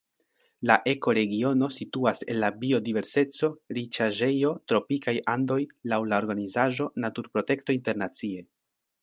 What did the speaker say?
La ekoregiono situas en la biodiverseco-riĉaĵejo Tropikaj Andoj laŭ la organizaĵo Naturprotekto Internacie.